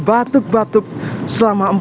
batuk batuk selama empat